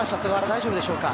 大丈夫でしょうか？